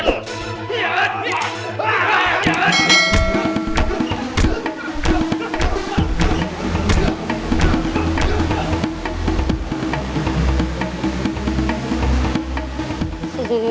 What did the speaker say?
terima kasih tabii